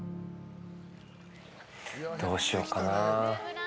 どうしようかな。